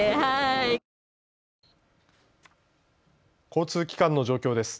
交通機関の状況です。